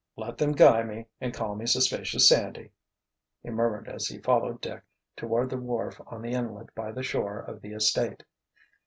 "Let them guy me and call me 'Suspicious Sandy,'" he murmured as he followed Dick toward the wharf on the inlet by the shore of the estate.